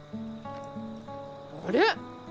あれ！？